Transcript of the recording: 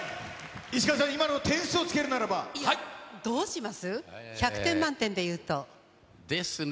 石川さん、今の点数をつけるどうします？ですね。